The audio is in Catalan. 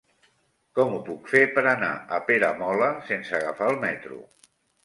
Com ho puc fer per anar a Peramola sense agafar el metro?